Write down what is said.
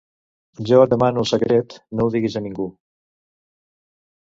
Jo et demano el secret: no ho diguis a ningú.